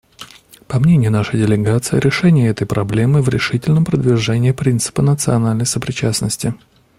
По мнению нашей делегации, решение этой проблемы — в решительном продвижении принципа национальной сопричастности.